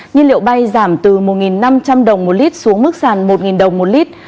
nhiên liệu bay giảm từ một năm trăm linh đồng một lít xuống mức giảm một đồng một lít